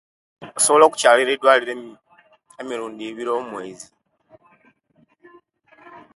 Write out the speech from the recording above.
Osobola okukyalira eidwaliro emmuu emirundi ebiri omwezi